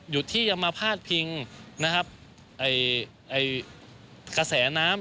หยุดที่จะมาพาดพิงกระแสน้ำ